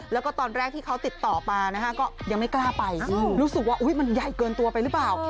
แล้วก็ตอนแรกที่เขาติดต่อมานะฮะก็ยังไม่กล้าไปรู้สึกว่ามันใหญ่เกินตัวไปหรือเปล่า